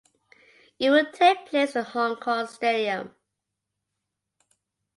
It would take place in the Hong Kong Stadium.